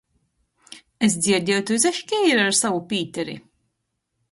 Es dzierdieju, tu izaškeiri ar sovu Pīteri?